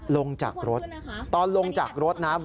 ลงจากรถตอนลงจากรถนะ